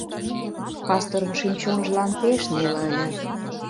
Пасторын шӱм-чонланже пеш неле ыле.